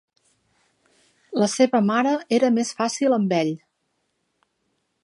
La seva mare era més fàcil amb ell.